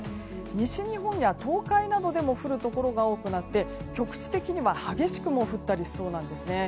西日本や東海などでも降るところが多くなって局地的には激しくも降ったりしそうなんですね。